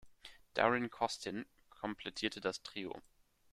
Darren Costin komplettierte das Trio.